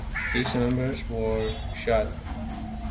These members were shot.